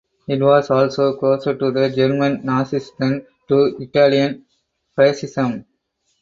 It was also closer to the German Nazis than to Italian Fascism.